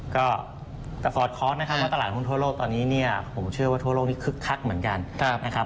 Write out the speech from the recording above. ก็สอดคอร์สนะครับว่าตลาดทุนทั่วโลกตอนนี้ผมเชื่อว่าทั่วโลกนี้คึกคักเหมือนกัน